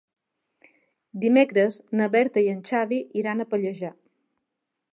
Dimecres na Berta i en Xavi iran a Pallejà.